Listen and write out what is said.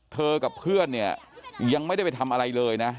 เธอกับเพื่อนยังไม่ได้ไปทำอะไรเลยนะ